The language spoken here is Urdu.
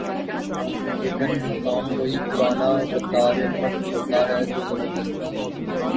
ابن حکام وہی پرانا غدار امت ہوتا ہے جو زبردستی